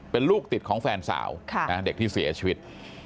เป็นลูกติดของแฟนสาวเด็กที่เสียชีวิต